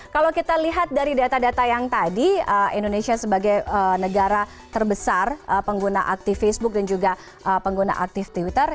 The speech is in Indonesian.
kalau kita lihat dari data data yang tadi indonesia sebagai negara terbesar pengguna aktif facebook dan juga pengguna aktif twitter